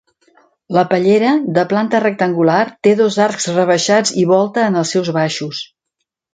La pallera, de planta rectangular, té dos arcs rebaixats i volta en els seus baixos.